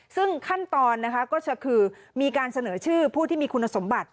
ซึ่งขั้นตอนนะคะก็คือมีการเสนอชื่อผู้ที่มีคุณสมบัติ